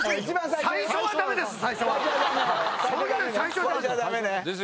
最初はダメです。